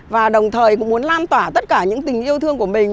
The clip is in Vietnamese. và đồng thời cũng muốn lan tỏa tất cả những tình yêu thương của mình